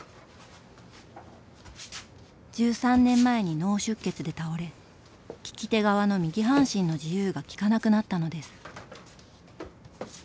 １３年前に脳出血で倒れ利き手側の右半身の自由が利かなくなったのです。